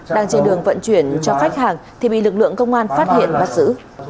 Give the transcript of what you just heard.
đang trên đường vận chuyển cho khách hàng thì bị lực lượng công an phát hiện bắt giữ